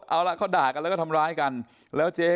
แต่พอเห็นว่าเหตุการณ์มันเริ่มเข้าไปห้ามทั้งคู่ให้แยกออกจากกัน